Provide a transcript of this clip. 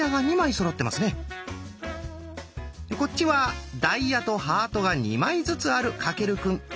こっちはダイヤとハートが２枚ずつある翔くん。